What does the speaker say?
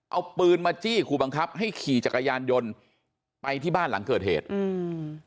เอาปืนมาจี้ครูบังคับให้ขี่จักรยานยนต์ไปที่บ้านหลังเกิดเหตุอืม